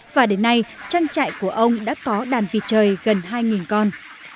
và đến nay trang trại của ông đã có đàn vịt trời gần hai con